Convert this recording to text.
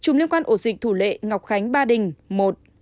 một mươi một chủng liên quan ổ dịch thủ lệ ngọc khánh ba đình một